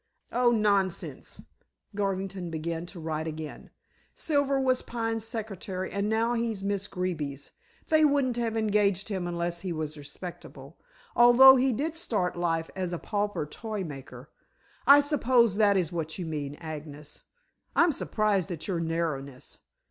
"Oh, nonsense!" Garvington began to write again. "Silver was Pine's secretary, and now he's Miss Greeby's. They wouldn't have engaged him unless he was respectable, although he did start life as a pauper toymaker. I suppose that is what you mean, Agnes. I'm surprised at your narrowness."